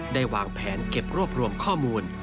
วางแผนเก็บรวบรวมข้อมูล